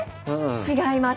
違います。